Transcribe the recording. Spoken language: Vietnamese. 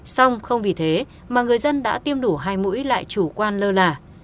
xong không vì thế mà người dân đã tiêm đủ hai mũi lại chủ quan lơ là